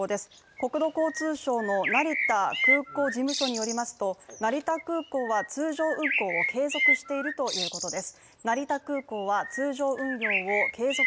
国土交通省の成田空港事務所によりますと成田空港は通常運航を継続しているということです。